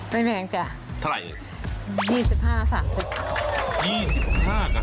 ไม่มียังจ้ะเท่าไรเลยครับเหมือน๒๕๓๐บาทครับ